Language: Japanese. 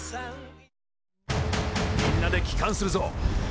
みんなで帰還するぞ。